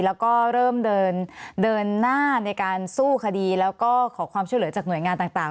แล้วก็เริ่มเดินหน้าในการสู้คดีแล้วก็ขอความช่วยเหลือจากหน่วยงานต่าง